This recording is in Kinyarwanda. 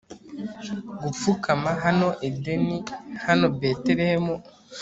gupfukama. hano edeni, hano betelehemu